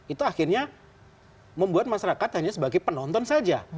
itu akhirnya membuat masyarakat hanya sebagai penonton saja